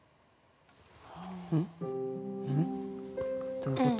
どういうこと？